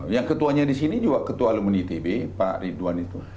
yang ketuanya di sini juga ketua alumni itb pak ridwan itu